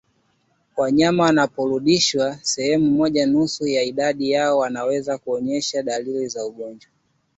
Wanyama wanaporundikwa sehemu moja nusu ya idadi yao wanaweza kuonyesha dalili za ugonjwa